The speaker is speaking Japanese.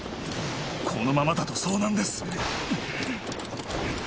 このままだと遭難です